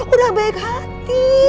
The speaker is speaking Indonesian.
udah baik hati